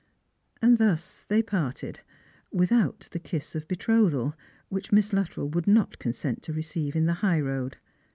And thus they parted, without the kiss of betrothal, which Miss Luttrell would not consent to receive in the high road.